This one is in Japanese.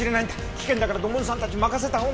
危険だから土門さんたちに任せた方が。